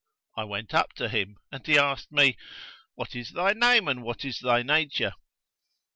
I went up to him and he asked me, 'What is thy name, and what is thy nature?'